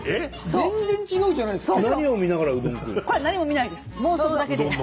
全然違うじゃないですか。